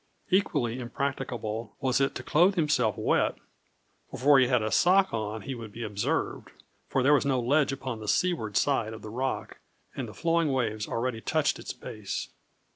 Equally impracticable was it to clothe himself wet; before he had a sock on he would be observed, for there was no ledge upon the sea ward side of the rock, and the flowing waves already touched its base.